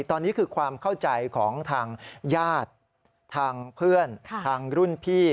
ตอนนี้คือความเข้าใจของทางญาติทางเพื่อนทางรุ่นพี่